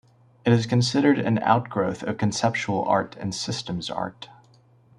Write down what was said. It is considered an outgrowth of conceptual art and systems art.